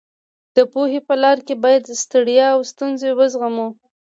د پوهې په لاره کې باید ستړیا او ستونزې وزغمو.